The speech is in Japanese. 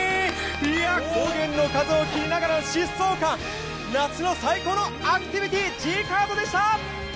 いやあ高原の風を感じながらの疾走感、夏の最高のアクティビティー、ＧーＫＡＲＴでした。